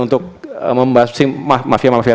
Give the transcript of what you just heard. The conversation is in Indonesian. untuk membahas si mafia mafia